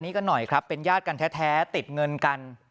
กันหน่อยครับเป็นญาติกันแท้ติดเงินกัน